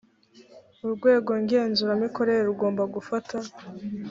urwego ngenzuramikorere rugomba gufata